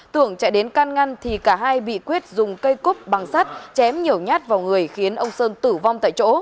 tưởng chạy đến can ngăn thì cả hai bị quyết dùng cây cúc bằng sắt chém nhiều nhát vào người khiến ông sơn tử vong tại chỗ